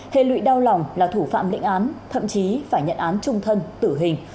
hệ lụy đau lòng là thủ phạm lĩnh án thậm chí phải nhận án trung thân tử hình